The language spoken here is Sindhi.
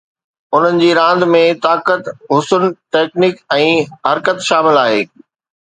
انهن جي راند ۾ طاقت، حسن، ٽيڪنڪ ۽ حرڪت شامل آهي